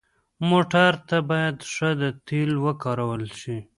موټر ته باید ښه تیلو وکارول شي.